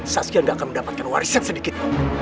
saskia gak akan mendapatkan warisan sedikit